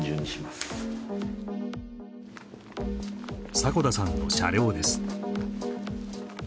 迫田さんの車両です